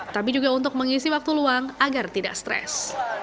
tapi juga untuk mengisi waktu luang agar tidak stres